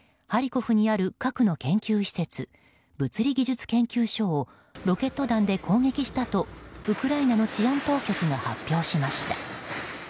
ハリコフにある核の研究施設、物理技術研究所をロケット弾で攻撃したとウクライナの治安当局が発表しました。